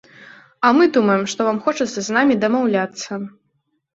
А мы думаем, што вам хочацца з намі дамаўляцца.